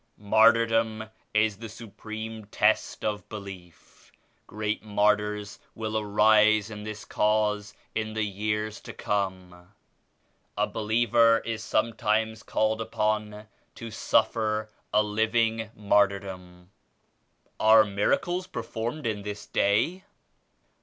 "Martyrdom is the supreme test of belief. Great martyrs will arise in this Cause in the years to come. A believer is sometimes called upon to suffer a living martyrdom." "Are miracles performed in this Day?"